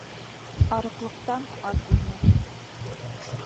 Арыҡлыҡтан ат үлмәҫ